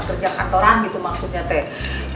kerja kantoran gitu maksudnya teh